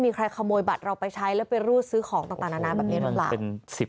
มีใครขโมยบัตรเราไปใช้แล้วไปรูดซื้อของต่างนานาแบบนี้หรือเปล่า